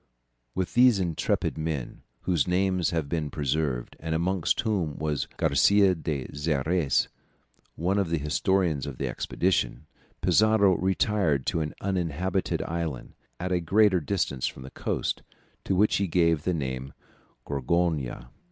With these intrepid men, whose names have been preserved, and amongst whom was Garcia de Xerès, one of the historians of the expedition, Pizarro retired to an uninhabited island at a greater distance from the coast, to which he gave the name of Gorgona.